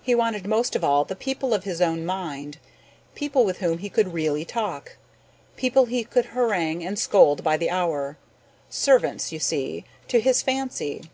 He wanted most of all the people of his own mind, people with whom he could really talk, people he could harangue and scold by the hour, servants, you see, to his fancy.